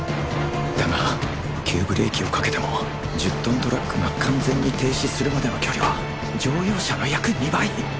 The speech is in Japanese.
だが急ブレーキをかけても １０ｔ トラックが完全に停止するまでの距離は乗用車の約２倍。